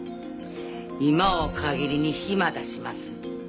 今を限りに暇出します。